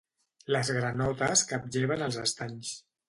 Les granotes caplleven als estanys.